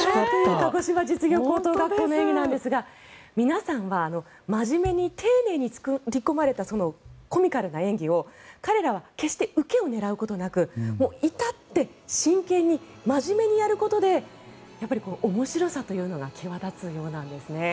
鹿児島実業高等学校の演技なんですが皆さんは真面目に丁寧に作り込まれたコミカルな演技を彼らは決して受けを狙うことなく至って真剣に真面目にやることでやっぱり面白さというのが際立つようなんですね。